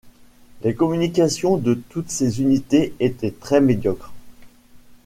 Les communications de toutes ces unités étaient très médiocres.